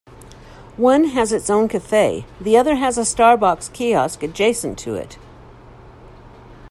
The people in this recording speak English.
One has its own cafe; the other has a Starbucks kiosk adjacent to it.